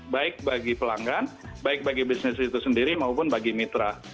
baik bagi pelanggan baik bagi bisnis itu sendiri maupun bagi mitra